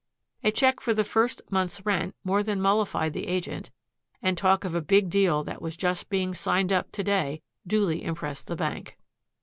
A check for the first month's rent more than mollified the agent and talk of a big deal that was just being signed up to day duly impressed the bank.